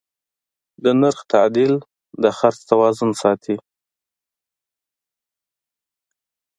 د نرخ تعدیل د خرڅ توازن ساتي.